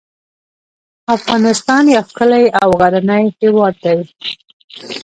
افغانستان یو ښکلی او غرنی هیواد دی .